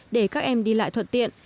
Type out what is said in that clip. để các em đi lại thuận tiện